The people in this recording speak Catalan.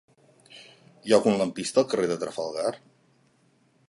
Hi ha algun lampista al carrer de Trafalgar?